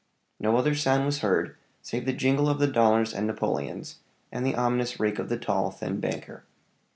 No other sound was heard save the jingle of the dollars and napoleons, and the ominous rake of the tall, thin banker.